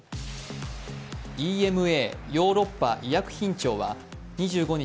ＥＭＡ＝ヨーロッパ医薬品庁は２５日